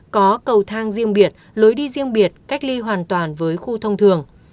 có cầu thang riêng biệt lối đi riêng biệt cách ly hoàn toàn với khu thông thường